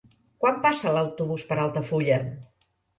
Quan passa l'autobús per Altafulla?